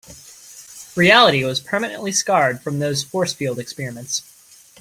Reality was permanently scarred from those force field experiments.